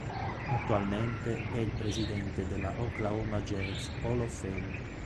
Attualmente è il presidente della Oklahoma Jazz Hall of Fame.